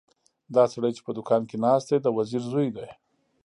دا سړی چې په دوکان کې ناست دی د وزیر زوی دی.